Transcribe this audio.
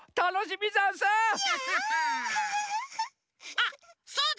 あっそうだ！